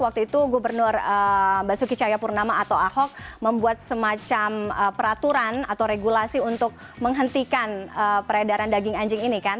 waktu itu gubernur basuki cahayapurnama atau ahok membuat semacam peraturan atau regulasi untuk menghentikan peredaran daging anjing ini kan